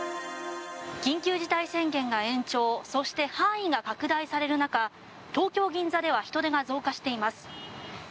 緊急事態宣言が延長そして、範囲が拡大される中東京・銀座では人出が増加しています。